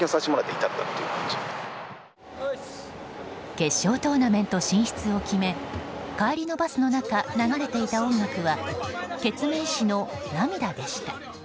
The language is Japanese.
決勝トーナメント進出を決め帰りのバスの中流れていた音楽はケツメイシの「涙」でした。